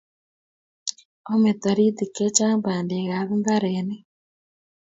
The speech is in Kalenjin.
omei toritik chechang' bandek am mbarenik